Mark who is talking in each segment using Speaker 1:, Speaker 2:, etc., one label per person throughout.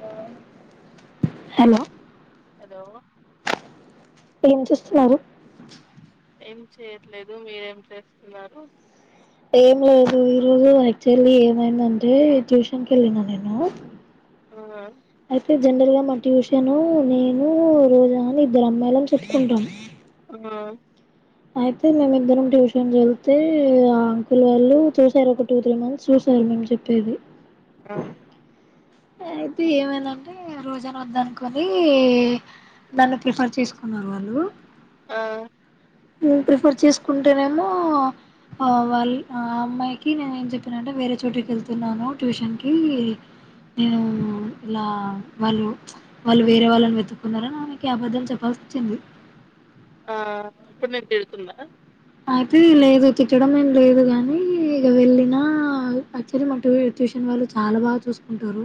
Speaker 1: ఆ hello
Speaker 2: hello
Speaker 1: ఎం చేస్తున్నారు
Speaker 2: ఏం చేయట్లేదు మీరేం ఎం చేస్తున్నారు
Speaker 1: ఏం లేదు ఈ రోజు యాక్చువల్లీ ఏమైందంటే ట్యూషన్ కి వెళ్ళిన నేను ఆ
Speaker 2: ఆ
Speaker 1: అయితే జనరల్ గా మా ట్యూషను నేను రోజా ఇద్దరం అమ్మాయిలాం చెప్పుకుంటాం.
Speaker 2: ఆ
Speaker 1: అయితే మేము ఇద్దరం ట్యూషన్ వేళ్తే ఆ అంకుల్ వాళ్ళు చూసారు ఒక టూ త్రీ మంత్స్ చూసారు మేము చెప్పేది
Speaker 2: ఆ
Speaker 1: అయితే ఏమైందంటే రోజా వద్దు అనుకొనే దాని నన్ను ప్రిఫర్ చేసుకున్నారు వాళ్ళు
Speaker 2: ఆ
Speaker 1: ప్రిఫర్ చేసుకుంటేనేమో వాళ్ళ అమ్మాయికి నేను ఏం చెప్పినంటే వేరే చోటుకి వెళ్తున్నాను ట్యూషన్కి నేను ఇలా వాళ్ళు వాళ్ళు వేరే వాళ్ళని వెతుకున్నారని ఆయనకి అబద్ధం చెప్పాల్సి వచ్చింది.
Speaker 2: ఆ ఇప్పుడు నిన్ను తీడుతుందా
Speaker 1: అయితే లేదు తిట్టడంఏమి లేదు గానీ ఇక వెళ్ళిన యాక్చువలీ మా ట్యూషన్ వాళ్ళు చాలా బాగా చూసుకుంటారు.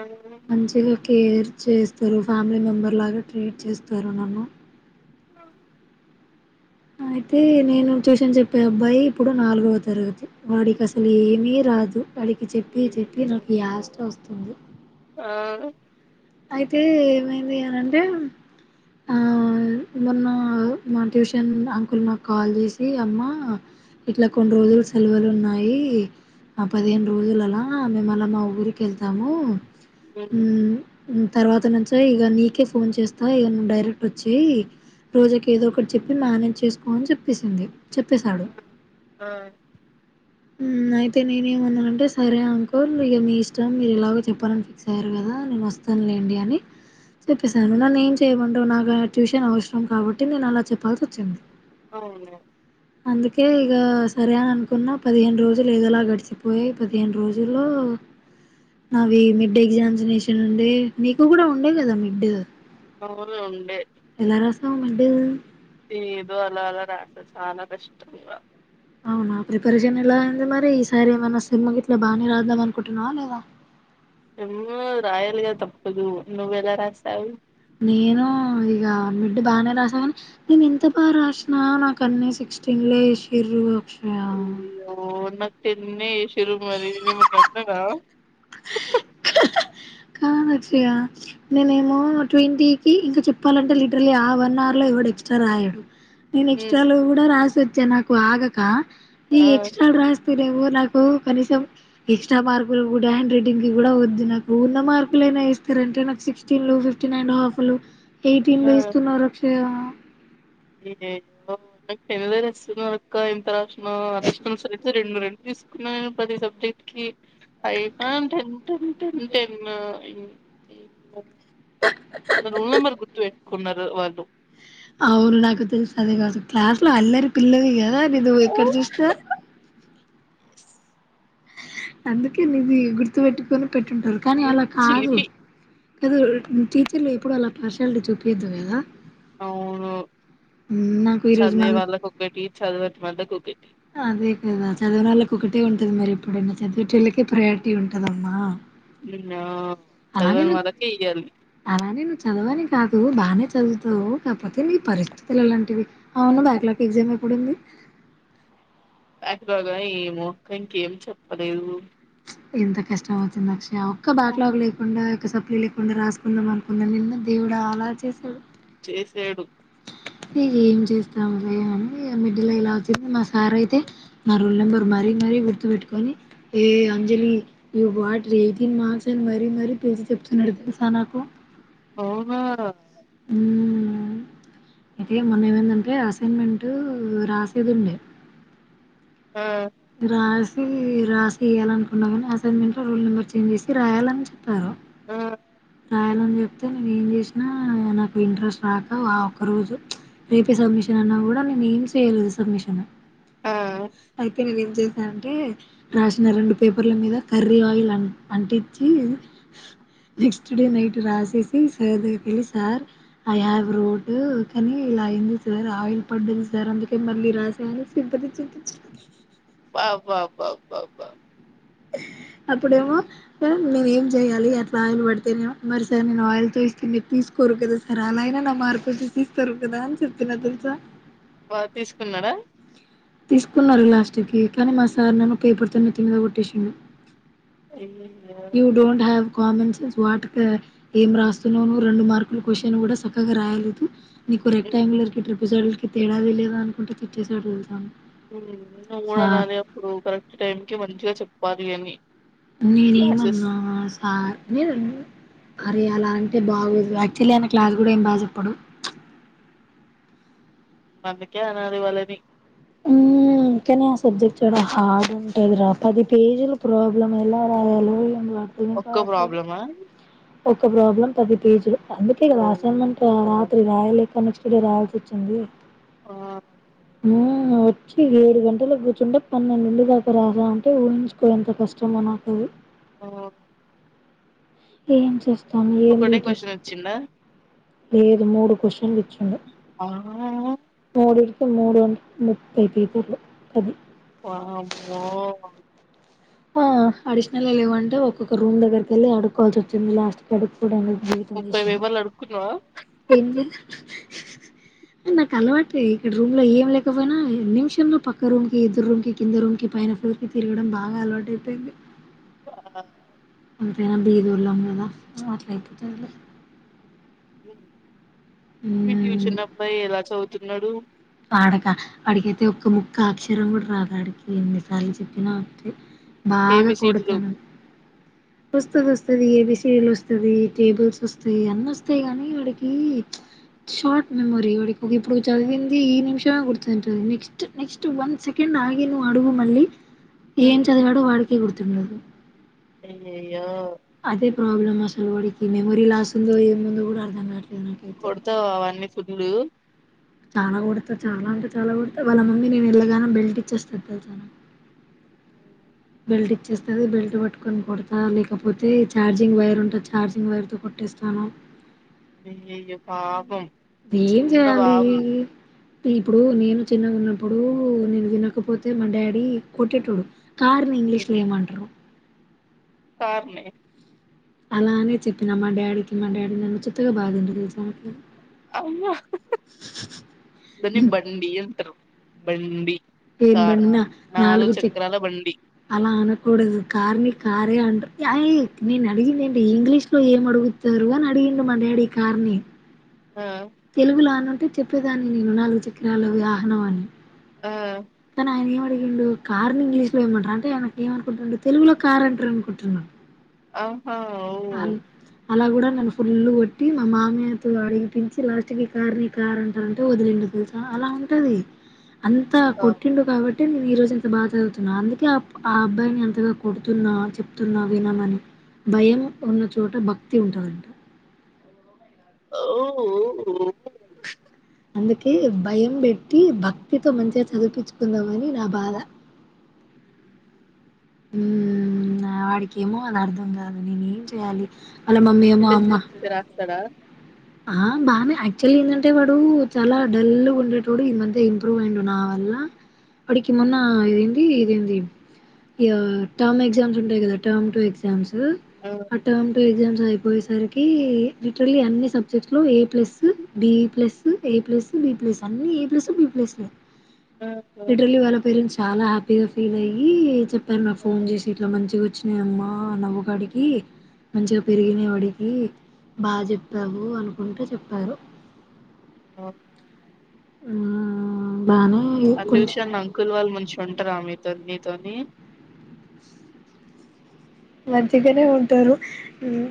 Speaker 2: అవునా
Speaker 1: మంచిగా కేర్ చేస్తారు ఫ్యామిలీ మెంబర్ లాగా ట్రీట్ చేస్తారు నన్ను అయితే నేను ట్యూషన్ చెప్పే అబ్బాయి ఇప్పుడు నాలుగవ తరగతి వాడికి అసలు ఏమీ రాదు వాడికి చెప్పి చెప్పి
Speaker 2: అయ్యయ్యో
Speaker 1: నాకు యాస్రా వస్తుంది.
Speaker 2: ఆ
Speaker 1: అయితే ఏమైంది అనంటే ఆ మొన్న మా ట్యూషన్ అంకుల్ నాకు కాల్ చేసి అమ్మా ఇట్లా కొన్ని రోజులు సెలవులు ఉన్నాయి. ఆ పదిహేను రోజులు అలా మల్లా మా ఊరికి వెళ్తాము.
Speaker 2: హు
Speaker 1: ఉమ్ తర్వాత నుంచో ఇగ నీకే ఫోన్ చేస్తా ఇగ నువ్ డైరెక్టొచ్చి రోజెకేదోకట్ చెప్పి మ్యానేజ్ చేస్కో అన్ చెప్పేసింది చెప్పేసాడు.
Speaker 2: ఆ
Speaker 1: హ్మ్ ఐతే నేనేమన్నానంటే సరే అంకుల్ మిగ మీ ఇష్టం మీరెలాగో చెప్పాలని ఫిక్స్ అయ్యార్ గదా నేనొస్. తన్లేండి అని చెప్పెసాను నన్నేమ్ చేయమంటవ్ నాకా ట్యూషన్ అవసరం కాబట్టి నేనలా చెప్పాల్సొచ్చింది.
Speaker 2: అవును
Speaker 1: అందుకే ఇక సరే అని అనుకున్న పదిహేను రోజులు ఏదలా గడిచిపోయాయి పదిహేను రోజుల్లో నావి మిడ్ ఎగ్జామినేషన్ ఏ నీకు కూడా ఉండే కదా మిడ్
Speaker 2: అవును ఉండే
Speaker 1: హా మిడ్
Speaker 2: ఏదో అలా అలా రాస చాలా కష్టంగా
Speaker 1: అవునా ప్రిపరేషన్ ఎలా అయింది మరి ఈసారి ఏమైనా సేమ్ గిట్ల బాగా రాద్దాం అనుకుంటున్నావా లేదా
Speaker 2: సెమ్ము రాయలిగ తప్పదు నువ్వెలా రాసావు.
Speaker 1: నేను ఇగ మిడ్డు బానే రాసా గాన్ నేనింత బా రాశా. నా నాకన్నే సిక్స్. టింగ్లే ఏషిర్రు అక్షయా.
Speaker 2: నిన్నే జేషిర్రు మరి నేనెమన్ననా.
Speaker 1: కానొచ్చిగ నెనేమో ట్వెంటీ కి ఇంక చెప్పాలంటే లిట్రలీ ఆ వన్నార్ లో ఎవడెక్స్ట్రా రాయడు. నేనెక్స్ట్రాలో గూడా రాసొ జనాకు ఆగక. ఇ
Speaker 2: ఆ
Speaker 1: ఎక్స్ట్రాల్ రాస్తనేమో నాక్. ఉ కనీసం ఎక్స్ట్రా మార్కులు గూడ హ్యాండ్రెటింగ్ కి గూడా వద్దు నాక్. ఊన్న మార్కులైనా ఏస్తిరంటే నాకు సిక్స్టీన్లు ఫిఫ్టీన్ అండ్ హాఫ్లు ఎయిటీన్లు
Speaker 2: ఆ
Speaker 1: ఇస్తున్నారక్షయా.
Speaker 2: అయ్యయ్యో నాక్ [unintelligible] అక్క ఎంత రాష్నా అడిషనల్సైతే రెండు రెండు తీస్కున్నా ప్రతి సబ్జెక్టి ఐనా టెన్ టెన్ టెన్ టెన్ను. [unintelligible] ని రోల్ నంబర్ గుర్తువె. కొన్నరు వాళ్ళు.
Speaker 1: ఔన్ నాకు తెలుస్ అది గాజులు. క్లాస్ లో అల్లరి పిల్లది గదా అది నువ్వెక్కడ జూష్నా.
Speaker 2: ఎస్
Speaker 1: అందుకే నిది గుర్తు వెట్టుకోని పెట్టుంటది కాని అలా కాదు.
Speaker 2: చిలిపి
Speaker 1: [unintelligible] టీచర్లు ఎప్పుడు అలా పార్షాల్టీ చూపీద్దు వేదా.
Speaker 2: అవును చదివే వాళ్ళకొక్కటి చదవన్ మందకొకెటి
Speaker 1: అదే కద చదువనోల్లకొ ఒకటే ఉంటది మరెప్పుడున్న చదువు చెళ్లికే ప్రియారిటీ ఉంటదా. మా
Speaker 2: ఉమ్ ఆ చదవన్ వాళ్లకి ఎయ్యాలి.
Speaker 1: అలానే నువ్వు చదవని కాదు బానే చదువుతవ్ కాపోతే నీక్. పరిస్థితులలాంటివి ఔను బ్యాక్లాగెగ్జామెప్. ఎప్పుడుంది
Speaker 2: బ్యాక్లాగా ఏమోక్క ఇంకేం చెప్పలేదూ.
Speaker 1: ఎంత కష్టమవ్తుందోచ్. ఆ ఒక్క బ్యాక్లాగ్ లేకుండా సప్లీ లేకుండా రాసుకుందాం అనుకున్న నిన్న, దేవుడాలా చేసాడు.
Speaker 2: చేశాడు
Speaker 1: ఇగ ఏం చేస్తాం ఆ ఇగ మిడ్ లెలా త్ ఇంగ మా సార్ అయితే నా రోల్ నెంబర్ మరీ మరీ గుర్తుపెట్టుకొని ఏ అంజలి యూ వా రేవతిని మానసాని మరీ మరీ పిలిసి చెప్తున్నాడు తెలుసా నాకు
Speaker 2: అవునా
Speaker 1: హ్మ్ అయితే మొన్నమై దంటే అసైన్మెంట్ టు రాసేదుండే
Speaker 2: ఆ
Speaker 1: రాసి రాసి ఇయ్యాలనుకున్నా గానీ అసైన్మెంట్ లో రోల్ నెంబర్ చేంజ్ చేసి రాయాలని చెప్ ఆ
Speaker 2: ఆ
Speaker 1: రాయాలని చెప్తే నేనేం జేసినా నాకు ఇంట్రెస్ట్ రాక ఆ ఒక్క రోజు రేపే సబ్మిషన్ అన్నా గూడా ఆడ నేమ్స్ చేయాలి గదా సబ్మిషన్
Speaker 2: ఆ ఆ
Speaker 1: ఐ ఏం చేశా అంటే రాసిన రెండు పేపర్ల మీద కర్రీ ఆయిల్ అన్ అంటిచ్చి నెక్స్ట్ డే నైట్ రాసేసి సార్ దగ్గర కెల్ల్ సార్ ఐ హ్యావ్ వ్రోటు కానీ ఇలా అయింది సార్, ఆయిల్ పడ్డది సార్ అందుకే మళ్ళీ రాశా అని సింపతీ చూపిచ్చా.
Speaker 2: బ బ బ బ బ
Speaker 1: అప్పుడేమో ఆ నేనేం చెయ్యాలి అట్ ఆయిల్ పడితేనెమో మరి సార్ నేను ఆయిల్తో ఏస్ అని చెప్పి తీసుకోరు కద సార్ అలా అయినా నా మార్పు చూపిస్తారు కదా చెప్పిన తెల్స
Speaker 2: బ తీసుకున్నాడా
Speaker 1: తీసుకున్నారు లాస్ట్ కి కానీ మా సార్ నన్ను పేపర్తో నేత్తి మీద కొట్టేసిండు
Speaker 2: hmm
Speaker 1: you don't have common sense వాటికా? ఏం రాస్తున్నావు నువ్వు రెండు మార్కులు క్వశ్చన్ కూడా సక్కగా రాయలేదు. నీకు రెక్టాంగులర్ కి [unintelligible] కి తేడా తెలీదు అనుకుంట తిట్టేశాడు తెల్సా
Speaker 2: నువ్వు కూడా అనాలి అప్పుడు కరెక్ట్ టైం కి మంచిగా చెప్ పర్ లిఅని [unintelligible]
Speaker 1: నిను ఎమన్నా సార్ అరే అలా అంటే బాగొదు యాక్చవలీ ఆయన క్లాస్ కూడా ఏం బాగ చెప్పా పడు
Speaker 2: అందుకే అనేది వాళ్ళని
Speaker 1: మ్మ్ కాని ఆ సబ్జెక్ట్ చాల హార్డ్ ఉంది పది పేజీలు ప్రాబ్లమ్ ఏల రా వెళ్ళాలని [unintelligible]
Speaker 2: ఒక్క ప్రాబ్లమా
Speaker 1: ఒక్క ప్రాబ్లం పది పేజీలు అందుకే కదా
Speaker 2: ఓ
Speaker 1: అసైన్మెంట్ రాత్రి రాయలేక ఇప్పుడే రావల్సి వచ్చింది
Speaker 2: ఆ
Speaker 1: నో మౌత్ చీ ఏడుగంటాలకి కూర్చుంటే పన్నెండు ఉండి దాక రాసా అంటే ఊహించుకో ఎంత కష్టమో నాకు అది
Speaker 2: ఆ
Speaker 1: ఏం చేస్
Speaker 2: ఒక్కటే కొశన్ వచ్చిందా
Speaker 1: లేదు మూడు క్వశ్చన్లు వచ్చిండ
Speaker 2: ఆ [inaudible]
Speaker 1: పది టికి మూడు అంటే మూప్పెయ్ పెపర్లు అది
Speaker 2: వామ్మో
Speaker 1: ఆ అడిషనల్ లేవుంటే ఒక ఒక రూమ్ దగ్గరకి వెళ్లి అడుక్కొవల్సి వచ్చింది లాస్ట్ కి అడు
Speaker 2: ముప్పై పేపర్లు అడుకున్యవా
Speaker 1: పెండ్ల న్న కలవాటులే ఇడ రూమ్ లో ఏం లేకపోయినా నిమిషంలో పక్క రూమ్ కి ఎదురు రూమ్ కి కింద రూంకి పైన ఫ్లోర్కి తిరగడం బాగా అలవాటైపోయింది
Speaker 2: ఆ
Speaker 1: ఎట్లాంటి బీదొల్లం అయిన అట్లా అయితే చాలు
Speaker 2: లేదు మీ
Speaker 1: మ్మ్
Speaker 2: ట్యూషన్ అబ్బా ఎలా చవుతు లడుూ
Speaker 1: ఆడకా ఆడికైతే ఒక్క ముక్క అక్షరం కూడా రాదు ఆడికి ఎన్నిసార్లు చెప్పినా అంతే బాగా
Speaker 2: ఏబిసిడీలు
Speaker 1: కొడుతను వస్తది వస్తది ఏబి సీడీలు వస్తది టేబుల్స్ వస్తాయి అన్ని వస్తాయి గాని వాడికి ప్చ్. షార్ట్ మెమొరీ వాడికి ఒక ఇప్పుడు చదివింది ఈ నిమిష యాగుడుతుంటది నెక్స్ట్ నెక్స్ట్ వన్ సెకెండ్ ఆగి నువ్ అడుగు మళ్లి ఏం చదివాడో వాడికే గుర్ తుండదు
Speaker 2: ఎయ్యే యో
Speaker 1: ప్రాబ్లమ్ అసల్ వాడికి మెమరీ లాస్ ఉందో ఏమి ఉందో కూడా అర్థం కావట్లే
Speaker 2: కొడతావ వాన్ని ఫుల్లు
Speaker 1: చానా కొడతా చానా అంటే చాలా కొడత వాళ్ళ మమ్మీ నేను వెళ్ళగానే బెల్ట్ ఇచ్చేస్తది తెల్సా నాకు, బెల్ట్ ఇచ్చేస్తది బెల్ట్ పట్టుకొని కొడతా లేకపోతే, ఛార్జింగ్ వైర్ ఉంటుంది ఛార్జింగ్ వైర్ తో కొట్టేస్తాను.
Speaker 2: అయ్యయ్యో పాపం
Speaker 1: ఏం
Speaker 2: చిన్న
Speaker 1: చేయాలి
Speaker 2: బాబు
Speaker 1: ఇప్పుడు నేను చిన్నగా ఉన్నప్పుడు నేను తినకపోతే మా డాడీ కొట్టేటోడు కార్ని ఇంగ్లీష్ లో ఏమంట్రు
Speaker 2: కార్ణి
Speaker 1: అలానే చెప్పినా మా డాడీకి మా డాడీ నన్ను చిత్తగ బాధిండు తెల్సా నీకి
Speaker 2: దాన్ని బండి అంట్రు బండీ
Speaker 1: ఏం బండిన నాలుగు చెక్
Speaker 2: బండి
Speaker 1: అలా అనకూడదు కార్ని కారే అంట్ర్. నేను అడిగిందేం ఇంగ్లీష్ లో ఏం అడుగుతారు అని అడిగిండు మా డాడీ కార్ని
Speaker 2: ఆ
Speaker 1: తెలుగులో ఆనుంటే చెప్పే దానిని నేను నాలుగు చక్రాల వ్యాహనం అని
Speaker 2: ఆ
Speaker 1: కానీ అడిగి మడి ఉండు కార్ని ఇంగ్లీష్ లో ఏమంటారు అంటేనకు ఏమనుకుంటుడు తెలుగులో కారు అంట్రు అనుకుంటున్నా
Speaker 2: ఆ
Speaker 1: అల్ అలా కూడా నను ఫుల్లుగొ ట్టి మా మామయ్యతో అడిగిపించి లాస్ట్ కి కార్ని కార్ అంటారంటే వదిలిండు తెలుసా అలా ఉంటది. అంతా కొట్టిండు కాబ టే మేం ఈరోజు ఎంత బాగా చుదువుతున్నాము అందుకే ఆ అబ్బాయిని అంతగా కొడుతున్నా చెప్తున్నా వినమని భయం. ఉన్న చోట భక్తి ఉంటదంట
Speaker 2: ఓఓఓ
Speaker 1: అందుకే భయం పెట్టి భక్తితో మంచిగా చదివిపించుకుందామని నా బాధ ఉ వాడికేమో అది అర్థం కాదు నేను ఏం చెయాలి
Speaker 2: స్లిప్ టెస్ట్ లు అవి మంచిగా రాస్తడా
Speaker 1: ఆ బానే యాక్చువల్ ఏంధంటే వాడు చాలా డల్గా ఉండడ టోడు ఈ మధ్య ఇంప్రూవ్ అయ్యిండు నా వల్ల అప్పటికి మొన్న ఇదేంది ఇదేంది ఇగ టర్మ్ ఎగ్జామ్స్ ఉంటాయి కదా టర్మ్ టు ఎగజమ్స్ ఉ ఆ టర్మ్ టు ఎగ్జామ్స్ అయిపోయేసరికి లిటర్లీ అన్ని సబ్ సబ్జెక్ట్లో A plus B plus A plus B plus అన్ని ఏ ప్లస్ బీ ప్లస్లే
Speaker 2: ఆహా
Speaker 1: లిటరలీ వాళ్ళ పేరెంట్స్ చాలా హ్యాపీగా ఫీల్ అయి చెప్పారు నాకు ఫోన్ చేసి ఇట్లా మంచిగా వచ్చినాయమ్మ నవ్వుకాడికి మంచిగా పెరిగినవాడి కి బాగా చెప్ తావు వు అనుకుంట చెప్పారు
Speaker 2: ఓ
Speaker 1: ఆ ఆ ఆ
Speaker 2: ఆ ట్యూషన్ అంకుల్ వాల్ మునుషుం టరా మీతో నీతోని
Speaker 1: మంచిగానే ఉంటారు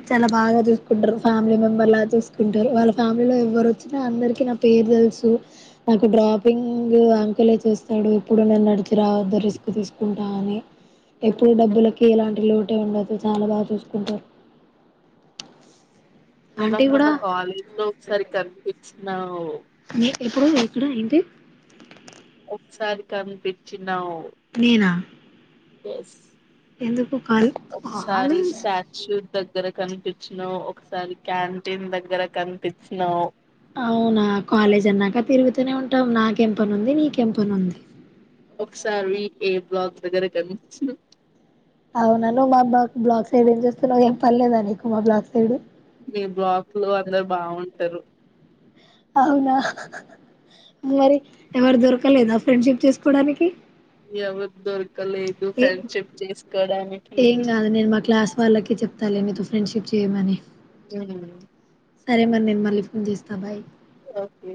Speaker 1: చాలా బాగా చూసుకుంటారు ఫ్యామిలీ మెంబర్ లా చూసుకుంటారు వాళ్ళ ఫ్యామిలీలో ఎవ్వరు వచ్చినా అందరికి నా పేరు తెలుసు నాకు డ్రాపింగ్ అంకులే చూస్తాడు ఇప్పుడు నన్ రావదు రిస్క్ తీసుకుంటా అని ఎప్పుడు డబ్బులకి ఇలాంటి లోటు ట్టే ఉండదు చాలా బాగా చూసుకుంటారు ఆంటీ
Speaker 2: నాకు మొన్న
Speaker 1: కూడా
Speaker 2: కాలేజ్ లో ఒకసారి కనిపి నావ్
Speaker 1: మీ ఎప్పుడు ఇక్కడ ఏంటి
Speaker 2: ఒక్కసారి కనిపించినావ్
Speaker 1: నేనా
Speaker 2: ఎస్
Speaker 1: ఎందుకు కాల్
Speaker 2: ఒకసారి
Speaker 1: కాలేజ్
Speaker 2: స్టాచ్యూ దగ్గర కనిపించినావ్ ఒకసారి క్యాంటీన్ దగ్గర కనిపించినావ్
Speaker 1: అవునా కాలేజ్ అన్నాక తిరుగుతూనే ఉంటాం నాకెంపని ఉంది నీకెంపని ఉంది
Speaker 2: ఒకసారి ఏ బ్లాక్ దగ్గర కనిపించిన
Speaker 1: అవునా నువ్ మా మా బబా బ్లాక్ సైడ్ ఏం చేస్తున్నావు ఏం పని లేదా నీకు మా బ్లాక్ ఏడు
Speaker 2: మీ బ్లాక్ లో అందరు బాగుంటారు
Speaker 1: అ మరి ఎవరు దొరకలేదా ఫ్రెండ్షిప్ చేస్ కూడ నికి
Speaker 2: ఎవత్ దొర్
Speaker 1: ఏ ఏం గాదు నేను మా క్లాస్ వాళ్ళకి చెప్తా మళ్ళీ మీతో ఫ్రెండ్షిప్ చేయమని
Speaker 2: ఎం అన్నావు నన్ను
Speaker 1: సరే మరి నేను మళ్ళీ ఫోన్ చేస్తా బాయ్
Speaker 2: ఓకే